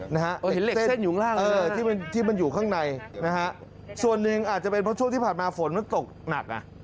นะฮะที่มันอยู่ข้างในนะฮะส่วนหนึ่งอาจจะเป็นเพราะช่วงที่ผ่านมาฝนมันตกหนักน่ะ